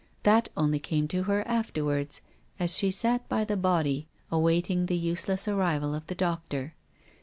That only came to her afterwards, as she sat by the body, awaiting the useless arrival of the doctor.